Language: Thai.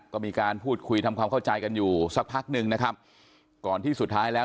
ก็มีการพูดคุยทำความเข้าใจกันอยู่สักพักหนึ่งนะครับก่อนที่สุดท้ายแล้ว